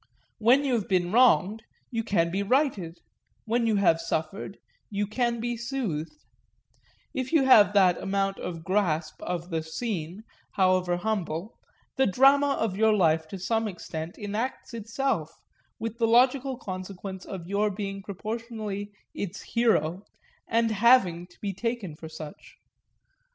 When you have been wronged you can be righted, when you have suffered you can be soothed; if you have that amount of grasp of the "scene," however humble, the drama of your life to some extent enacts itself, with the logical consequence of your being proportionately its hero and having to be taken for such.